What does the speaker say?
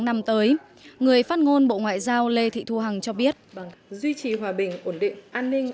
năm tới người phát ngôn bộ ngoại giao lê thị thu hằng cho biết duy trì hòa bình ổn định an ninh